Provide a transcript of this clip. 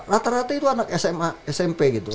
rata rata itu anak smp gitu kan